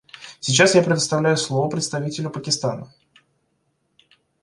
Сейчас я предоставляю слово представителю Пакистана.